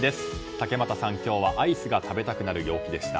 竹俣さん、今日はアイスが食べたくなる陽気でした。